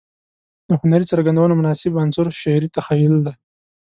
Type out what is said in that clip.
د هنري څرګندونو مناسب عنصر شعري تخيل دى.